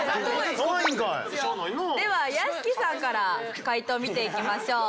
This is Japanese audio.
では屋敷さんから解答見ていきましょう。